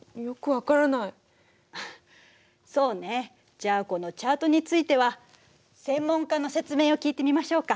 じゃあこのチャートについては専門家の説明を聞いてみましょうか。